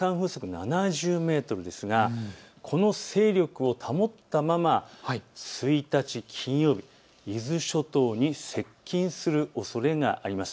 中心の最大風速７０メートルですがこの勢力を保ったまま１日金曜日、伊豆諸島に接近するおそれがあります。